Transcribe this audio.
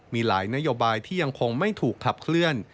มีหลายนโยบายที่ยังคงไม่ถูกขับเคลื่อน